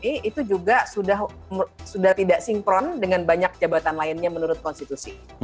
itu juga sudah tidak sinkron dengan banyak jabatan lainnya menurut konstitusi